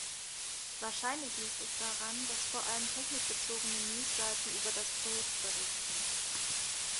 Wahrscheinlich liegt es daran, dass vor allem technikbezogene News-Seiten über das Projekt berichten.